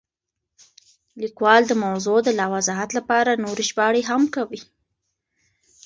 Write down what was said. لیکوال د موضوع د لا وضاحت لپاره نورې ژباړې هم کوي.